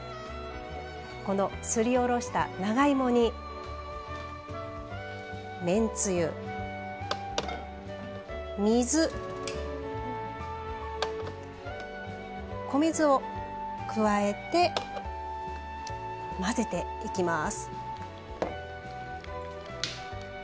このすりおろした長芋にめんつゆ、水米酢を加えて混ぜていきます。